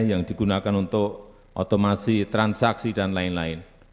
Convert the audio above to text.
yang digunakan untuk otomasi transaksi dan lain lain